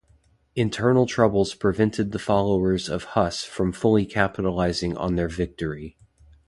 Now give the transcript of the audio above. Internal troubles prevented the followers of Hus from fully capitalizing on their victory.